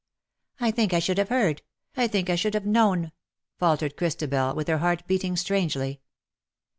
"'' I think I should have heard — I think I should 18 have known/^ faltered Christabel^ with her heart beating strangely.